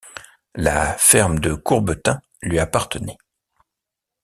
La ferme de Courbetin lui appartenait.